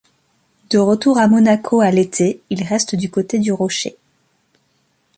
De retour à Monaco à l'été, il reste du côté du Rocher.